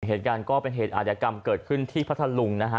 เหตุการณ์ก็เป็นเหตุอาจยกรรมเกิดขึ้นที่พัทธลุงนะฮะ